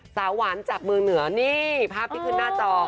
สาวหวานจากเมืองเหนือนี่ภาพที่ขึ้นหน้าจอ